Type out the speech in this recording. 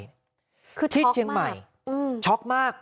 คือช็อคมากที่เชียงใหม่ช็อคมาก